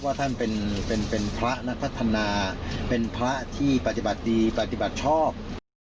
ท่านเป็นพระนักพัฒนาเป็นพระที่ปฏิบัติดีปฏิบัติชอบ